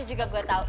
itu juga gue tahu